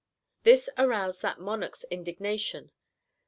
This aroused that monarch's indignation.